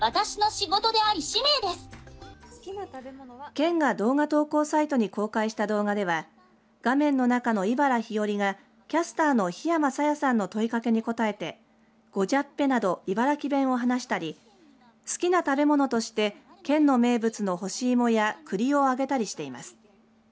県が動画投稿サイトに公開した動画では画面の中の茨ひよりがキャスターの檜山沙耶さんの問い掛けに答えてごじゃっぺなど茨城弁を話したり好きな食べ物として県の名物の干しいもやくりをあげたりしています。